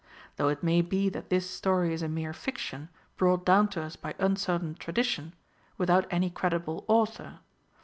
Though it may be that this story is a mere fiction, brought down to us by uncertain tradition, without any credible author.